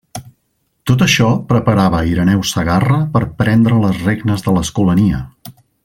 Tot això preparava Ireneu Segarra per prendre les regnes de l'escolania.